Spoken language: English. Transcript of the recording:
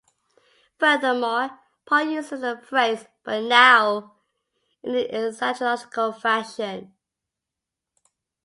Furthermore, Paul uses the phrase "but now" in an eschatological fashion.